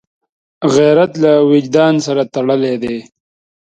غیرت له وجدان سره تړلی دی